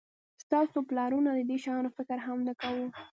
ستاسو پلرونو د دې شیانو فکر هم نه کاوه